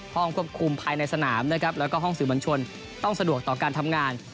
ห้องควบคุมภายในสนามนะครับแล้วก็ห้องสื่อมวลชนต้องสะดวกต่อการทำงาน